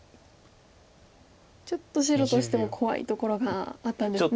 ちょっと白としても怖いところがあったんですね。